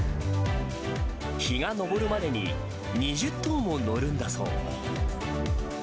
日が昇るまでに、２０頭も乗るんだそう。